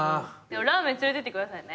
ラーメン連れてってくださいね。